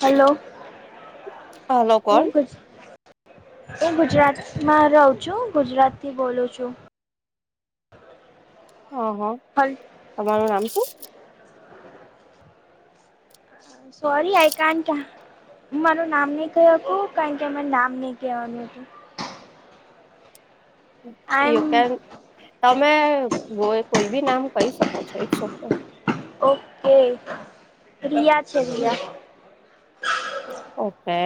Hello. Hello કોણ હું ગુજ હું ગુજરાતમાં રહું છું, ગુજરાત થી બોલુ છું. હ હ. હલ તમારું નામ શું? સોરી આય કાંટ અહ હું મારું નામ નઈ કહકુ કારણ કે મને નામ નઈ કેવાનું હતું. આઈ એ કારણ એમ તમે ઓ કોઈ ભી નામ કહી શકો છો ઇટ્સ ઓકે. ઓકે રિયા છે રિયા. ઓકે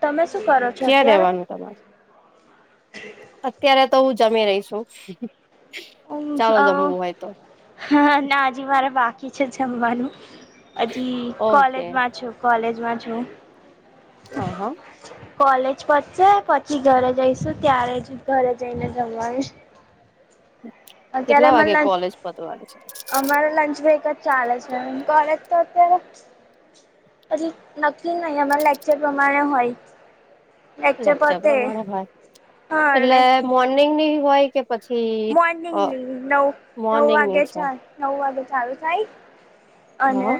તમે શું કરો છો ક્યાં અત્યારે? રેવાનું તમારે અત્યારે તો હું જમી રહી સુ. હું અહ હા ના હજી મારે બાકી છે જમવાનું. હજી ઓકે કોલેજમાં છું કોલેજમાં છું હ. કોલેજ પતસે પછી ઘરે જઈશું ત્યારે જ ઘરે જઈને જમવાનું અત્યારે કેટલા મન વાગે લાગ કોલેજ પતવાની છે અમારે લંચ બ્રેક જ ચાલે છે કોલેજ તો અત્યારે હજી નક્કી નઈ અમારા લેક્ચર પ્રમાણે હોય. લેક્ચર પ્રમાણે હોય એટલે મોર્નિંગની હોય કે પછી મોર્નિંગની નવ નવ મોર્નિંગ ની વાગે છે ચા નવ વાગે ચાલુ થાય અને હા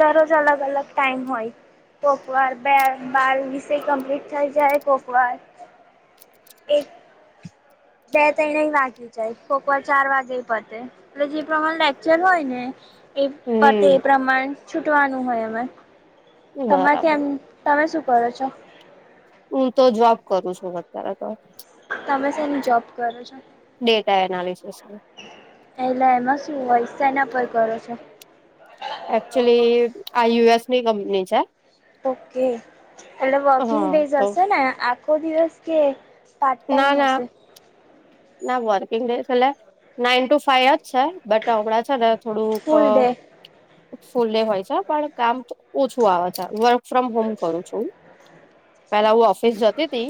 દરોજ અલગ અલગ ટાઈમ હોય. કોક વાર બે બાર વીસેય કમ્પ્લીટ થઈ જાય કોક વાર એક બે ત્રણયેય વાગી જાય બોપર ચાર વાગેય પતે. એટલે જી પ્રમાણે લેક્ચર હોય ને એ પતે હમ એ પ્રમાણ છૂટવાનું હોય અમે. તમાર બરાબર કેમ, તમે શું કરો છો? હું તો જોબ કરું શું અત્યારે તો. તમે શેની જોબ કરો છો? ડેટા એનાલિસિસ ની. એટલે એમાં શું હોય, સેના પર કરો છો? એક્ચ્યુઅલી આ યુ એસ ની કંપની છે. ઓકે એટલે વોકિંગ હા બેઝ તો હશે ને આખો દિવસ કે પાર્ટ ટાઈમ ના ના હશે? ના વર્કિંગ ડેયઝ એટલે નાઈન ટુ ફાઈ જ છે. બટ હમણાં છે ને થોડુંક full uh day full day હોય છે પણ કામ ઓછું આવે છે. વર્ક ફ્રોમ હોમ કરું છું હું. પેલા હું ઓફીસ જતીતી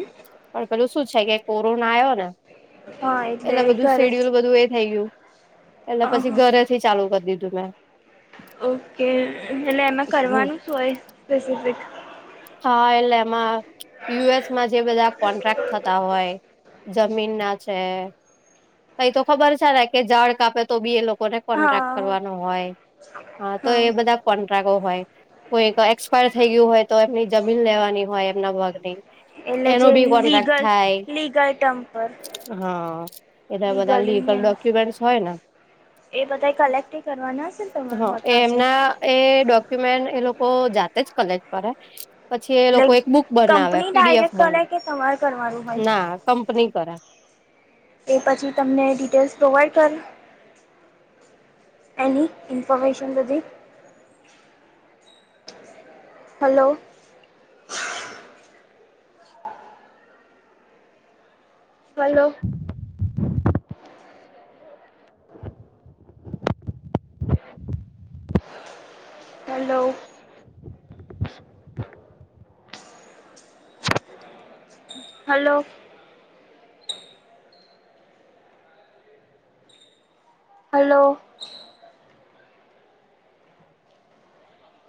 પણ પેલું શું છે કે કોરોના આયો ને હા એટલે બધું ઘરેથી સીડીયુલ બધું એ થઇ ગયું એટલે પછી અહા. ઘરેથી ચાલુ કરી દીધું મેં. ઓકે એટલે એમાં હમ કરવાનું શું હોય? સ્પેસિફિક, હા એટલે એમાં યુ એસ માં જે બધા કોન્ટ્રાક્ટ થતા હોય. જમીન ના છે, એ તો ખબર સે ને કે ઝાડ કાપે તો બી એ લોકોને કોન્ટ્રાક્ટ હા કરવાનો હોય, હા તો એ બધા કોન્ટ્રાક્ટ ઓ હોય, કોઈ એક્સપાયર થઈ ગયું હોય તો એમની લેવાની હોય એમના ભાગ ની, એટલે જે વીગલ લીગલ ટર્મ પર, હા એના બધા લીગલ ડોક્યુમેન્ટ હોય ને, એ બધાય કલેક્ટએય કરવાના હશે ને તમાર હા એ હોતા હશે. એમના એ ડોક્યુમેન્ટ એ લોકો જાતે જ કલેક્ટ કરે, પછી એ એટલે લોકો એક બુક બનાવે company P D F direct બના, કરે કે તમારે કરવાનું હોય? ના કંપની કરે. એ પછી તમને ડિટેલ્સ પ્રોવાઈડ કરે. એની ઇન્ફોર્મેશન બધી. Hello, hello, [inaudible] hello. Hello, hello.